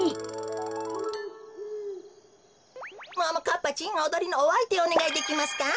かっぱちんおどりのおあいてをおねがいできますか？